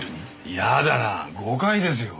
イヤだなあ誤解ですよ。